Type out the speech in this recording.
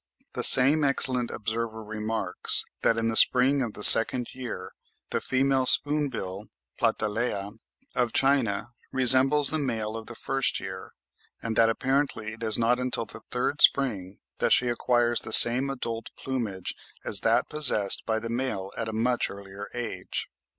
The same excellent observer remarks that in the spring of the second year the female spoon bill (Platalea) of China resembles the male of the first year, and that apparently it is not until the third spring that she acquires the same adult plumage as that possessed by the male at a much earlier age.